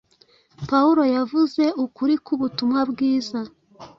Pawulo yavuze ukuri k’ubutumwa bwiza.